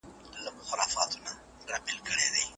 د کلتور او فرهنګ ساتني ته به په راتلونکي کي جدي پاملرنه وسي.